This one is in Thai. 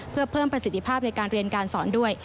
เพื่อเพิ่มประสิทธิภาพในการเรียนการสอนด้วย